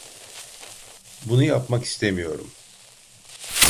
Bunu yapmak istemiyorum.